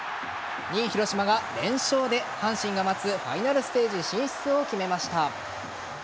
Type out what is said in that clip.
２位・広島が連勝で阪神が待つファイナルステージ進出を決めました。